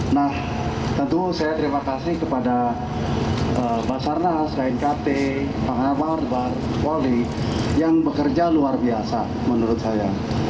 nah tentu saya terima kasih kepada basarnas knkt pengabar polri yang bekerja luar biasa menurut saya